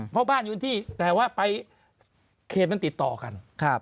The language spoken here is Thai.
เพราะบ้านอยู่ในที่ให้ไปเคมต้องติดต่อกัน